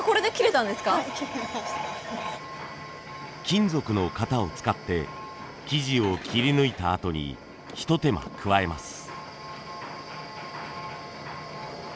金属の型を使って生地を切り抜いたあとに一手間加えます。